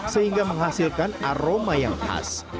sehingga menghasilkan aroma yang khas